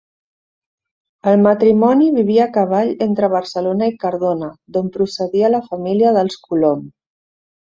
El matrimoni vivia a cavall entre Barcelona i Cardona, d’on procedia la família dels Colom.